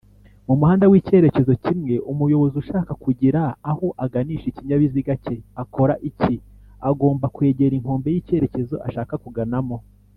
mumuhanda w’icyerekezo kimwe umuyobozi ushaka kugira aho aganisha ikinyabiziga cye akora iki?agomba kwegera inkombe z’icyerekezo ashaka kuganamo